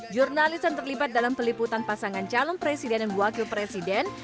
jurnalisan terlipat dalam peliputan pasangan calon presiden dan wakil presiden